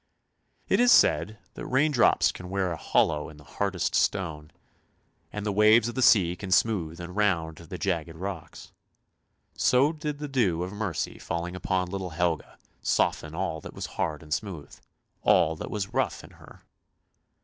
It is said that raindrops can wear a hollow in the hardest stone, and the waves of the sea can smooth and round the jagged rocks; so did the dew of mercy falling upon little Helga soften all that was hard and smooth, all that was rough in her.